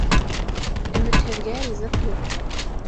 Өмөтһөҙгә ризыҡ юҡ.